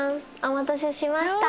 お待たせしました。